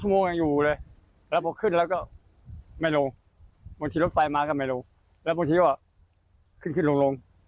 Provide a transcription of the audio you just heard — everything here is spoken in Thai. ไม่มากก็ลงไม่มากก็ลงไม่มากก็ลงไม่มากก็ลงไม่มากก็ลง